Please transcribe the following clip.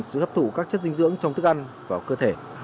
giữ hấp thủ các chất dinh dưỡng trong thức ăn và cơ thể